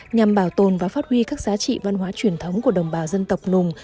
nhằm bảo tồn và phát huy các giá trị văn hóa truyền thống của đồng bào dân tộc nùng